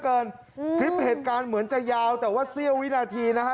อืมคลิปเหตุการณ์เหมือนจะยาวแต่ว่าเสี้ยววินาทีนะฮะ